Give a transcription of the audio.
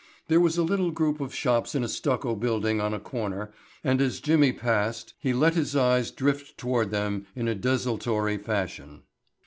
There was a little group of shops in a stucco building on a corner and as Jimmy passed him he let his eyes drift toward them in a desultory fashion.